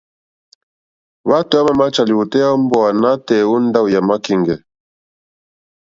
Hwátò hwámà máchá lìwòtéyá ó mbówà nǎtɛ̀ɛ̀ ó ndáwò yàmá kíŋgɛ̀.